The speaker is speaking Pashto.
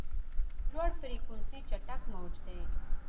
لوړ فریکونسي چټک موج دی.